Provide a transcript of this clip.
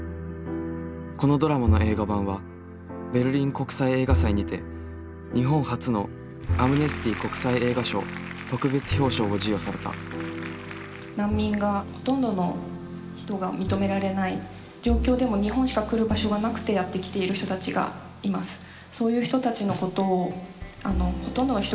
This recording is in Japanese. このドラマの映画版はベルリン国際映画祭にて日本初のアムネスティ国際映画賞特別表彰を授与された難民がほとんどの人が認められない状況でも日本しか来る場所がなくてやって来ている人たちがいます。